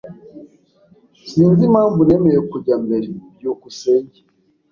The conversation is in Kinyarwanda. Sinzi impamvu nemeye kujya mbere. byukusenge